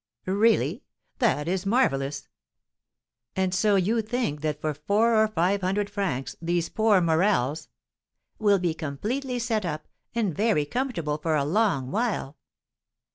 "Really, that is marvellous! And so you think that for four or five hundred francs these poor Morels " "Will be completely set up, and very comfortable for a long while."